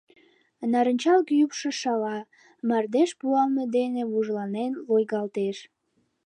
Нарынчалге ӱпшӧ шала, мардеж пуалме дене вужланен лойгалтеш.